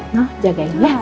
nah jagain ya